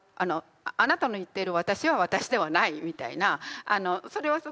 あなたの言っている私は私ではないみたいなそれはすごい分かってて。